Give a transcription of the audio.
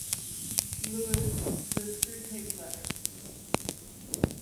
Lewis' "The Screwtape Letters".